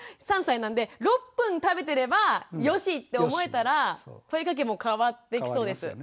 ３歳なんで６分食べてればよしって思えたら声かけも変わってきそうです。